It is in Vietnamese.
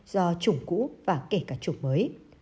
do chủng cũ và kể cả chủng mới